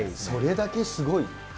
それだけすごい。